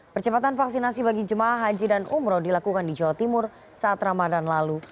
percepatan vaksinasi bagi jemaah haji dan umroh dilakukan di jawa timur saat ramadan lalu